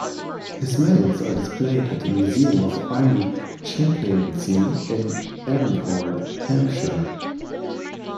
His medals are displayed at The Museum of Army Chaplaincy in Amport, Hampshire.